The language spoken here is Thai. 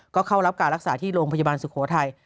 ก็เข้ารับการรักษาที่โรงพยาบาลสุโขทัย